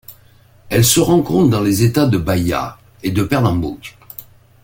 Elle se rencontre dans les États de Bahia et de Pernambouc.